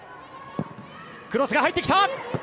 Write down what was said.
クロスが入ってきた。